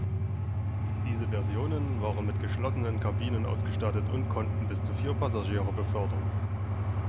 Diese Versionen waren mit geschlossenen Kabinen ausgestattet und konnten bis zu vier Passagiere befördern.